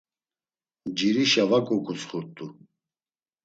Ncirişa va goǩutsxurt̆u.